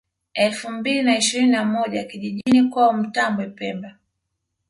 Elfu mbili na ishirini na moja kijijiini kwao Mtambwe pemba